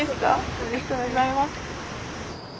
ありがとうございます。